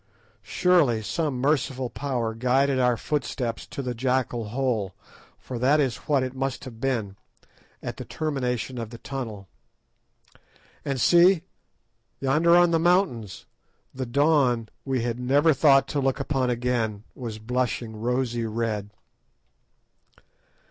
Surely some merciful Power guided our footsteps to the jackal hole, for that is what it must have been, at the termination of the tunnel. And see, yonder on the mountains the dawn we had never thought to look upon again was blushing rosy red.